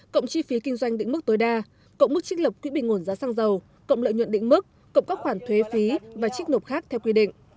cộng chi phí kinh doanh định mức tối đa cộng mức trích lập quỹ bình nguồn giá xăng dầu cộng lợi nhuận định mức cộng các khoản thuế phí và trích nộp khác theo quy định